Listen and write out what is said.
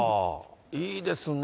いいですね。